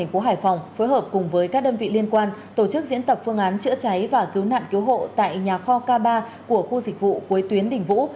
công an tp hải phòng phối hợp cùng với các đơn vị liên minh tổ chức diễn tập phương án chữa cháy và cứu nạn cứu hộ tại nhà kho k ba của khu dịch vụ cuối tuyến đình vũ